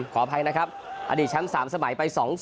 ขออภัยนะครับอดีตแชมป์๓สมัยไป๒๐